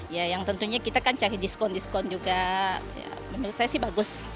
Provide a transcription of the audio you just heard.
ya yang tentunya kita kan cari diskon diskon juga menurut saya sih bagus